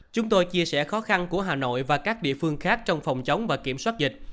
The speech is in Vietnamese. chúng tôi chia sẻ khó khăn của hà nội và các địa phương khác trong phòng chống và kiểm soát dịch